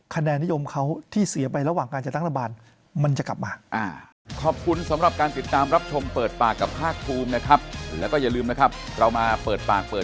คะแนนนิยมเขาที่เสียไประหว่างการจัดตั้งตระบาน